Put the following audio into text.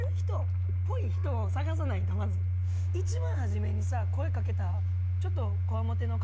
一番初めにさ声掛けたちょっと。